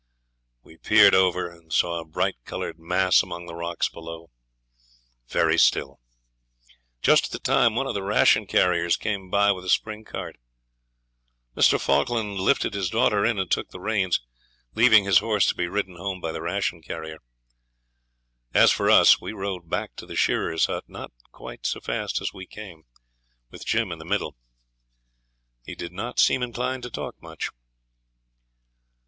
We peered over, and saw a bright coloured mass among the rocks below very still. Just at the time one of the ration carriers came by with a spring cart. Mr. Falkland lifted his daughter in and took the reins, leaving his horse to be ridden home by the ration carrier. As for us we rode back to the shearers' hut, not quite so fast as we came, with Jim in the middle. He did not seem inclined to talk much.